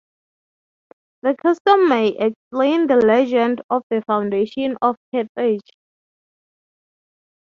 The custom may explain the legend of the foundation of Carthage.